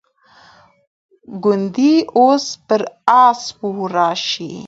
ګوندي اوس به پر آس سپور راشي.